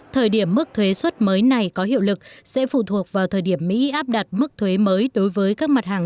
thời điểm mức thuế xuất mới này có hiệu lực sẽ phụ thuộc vào thời điểm mỹ áp đặt mức thuế mới đối với các mặt hàng